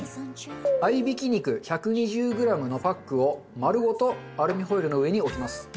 合いびき肉１２０グラムのパックを丸ごとアルミホイルの上に置きます。